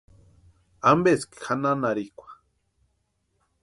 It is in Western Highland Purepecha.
¿Ampeski janhanharhikwa?